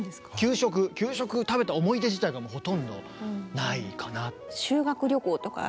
給食食べた思い出自体がもうほとんどないかな。